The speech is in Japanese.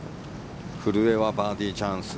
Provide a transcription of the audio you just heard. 古江はバーディーチャンス。